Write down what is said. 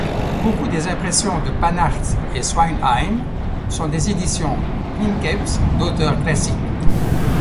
Beaucoup des impressions de Pannartz et Sweynheim sont des éditions princeps d’auteurs classiques.